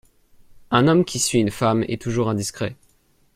Un homme qui suit une femme est toujours indiscret.